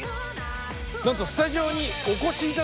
なんとスタジオにお越し頂きました。